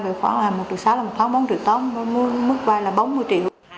mình trả khoảng một triệu sáu là một tháng bốn triệu sáu mức vay là bốn mươi triệu